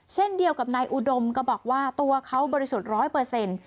เช่นเดียวกับนายอุดมก็บอกว่าตัวเขาบริสุทธิ์ร้อยเปอร์เซ็นต์